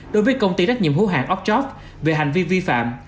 đối với công ty trách nhiệm hữu hàng oktop về hành vi vi phạm